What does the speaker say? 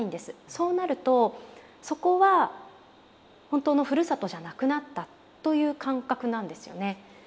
そうなるとそこは本当のふるさとじゃなくなったという感覚なんですよね。